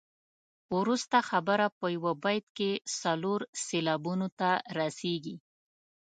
وروسته خبره په یو بیت کې څلور سېلابونو ته رسيږي.